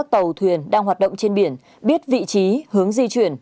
tàu thuyền đang hoạt động trên biển biết vị trí hướng di chuyển